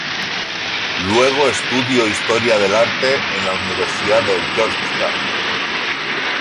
Luego estudio historia del arte en la Universidad de Georgetown.